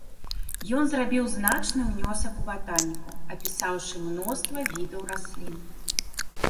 Ён зрабіў значны ўнёсак у батаніку, апісаўшы мноства відаў раслін.